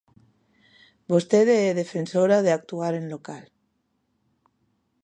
Vostede é defensora de actuar en local.